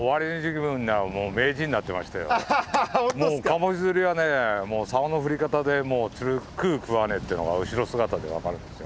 カモシ釣りはサオの振り方でもう食う食わねえっていうのが後ろ姿で分かるんですよ。